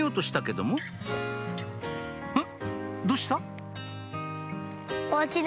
どうした？